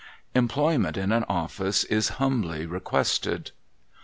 Employment in an office is humbly requested.